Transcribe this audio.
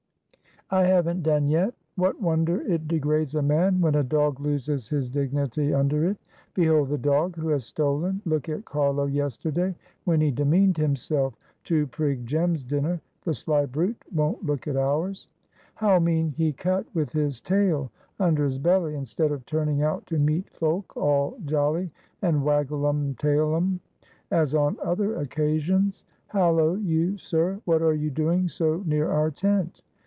"I haven't done yet. What wonder it degrades a man when a dog loses his dignity under it. Behold the dog who has stolen; look at Carlo yesterday when he demeaned himself to prig Jem's dinner (the sly brute won't look at ours). How mean he cut with his tail under his belly, instead of turning out to meet folk all jolly and waggle um tail um as on other occasions Hallo, you, sir! what are you doing so near our tent?"